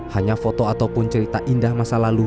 hanya foto ataupun cerita indah masa lalu